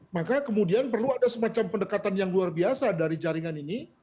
maka kemudian perlu ada semacam pendekatan yang luar biasa dari jaringan ini